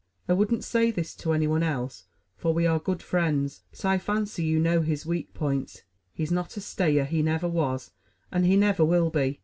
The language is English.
I wouldn't say this to any one else, for we are good friends; but I fancy you know his weak points. He's not a stayer; he never was, and he never will be.